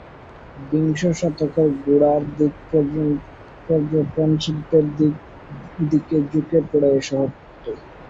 বিংশ শতকের গোড়ার দিকে পর্যটন শিল্পের দিকে ঝুঁকে পড়ে এ শহরটি।